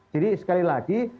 jadi sekali lagi